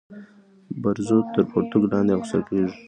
برزو تر پرتوګ لاندي اغوستل کيږي.